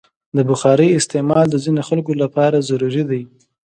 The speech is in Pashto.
د بخارۍ استعمال د ځینو خلکو لپاره ضروري دی.